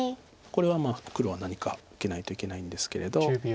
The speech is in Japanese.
これは黒は何か受けないといけないんですけれど。